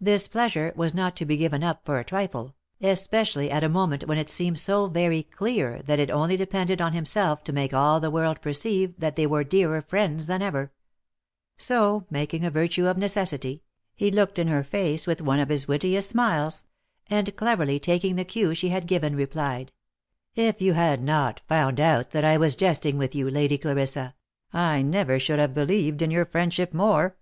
This pleasure was not to be given up for a trifle, especially at a moment when it seemed so very clear that it only depended on him self to make all the world perceive that they were dearer friends than ever; so, making a virtue of necessity, he looked in her face with one of his wittiest smiles, and cleverly taking the cue she had given, replied —" If you had not found out that I was jesting with you, Lady Clarissa, I never should have believed in your friendship more!